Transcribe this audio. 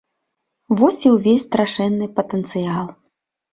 Вось і ўвесь страшэнны патэнцыял.